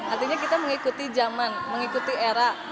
artinya kita mengikuti zaman mengikuti era